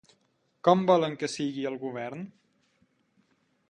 Com volen que sigui el govern?